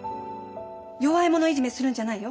弱い者いじめするんじゃないよ。